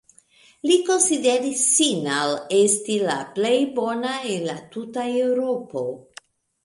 Li konsideris ŝin al esti la plej bona en la tuta Eŭropo.